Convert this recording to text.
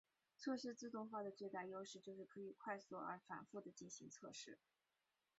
测试自动化的最大优势就是可以快速而且反覆的进行测试。